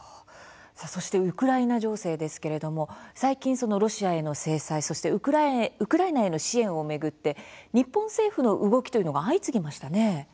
そしてウクライナ情勢ですけれども最近、ロシアへの制裁、そしてウクライナへの支援を巡って日本政府の動きというのが相次ぎましたね。